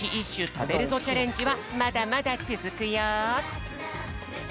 たべるぞチャレンジ」はまだまだつづくよ。